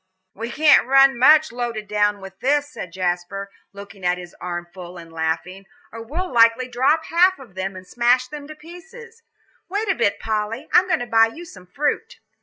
"We can't run much, loaded down with this," said Jasper, looking at his armful and laughing, "or we'd likely drop half of them, and smash them to pieces. Wait a bit, Polly, I'm going to buy you some fruit."